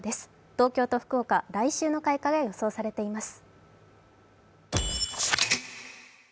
東京と福岡、来週の開花が予想されています。